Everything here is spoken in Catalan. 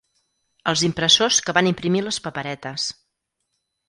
Als impressors que van imprimir les paperetes.